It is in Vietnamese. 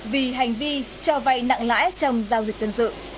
vì hành vi cho vay nặng lãi trong giao dịch tuyên dự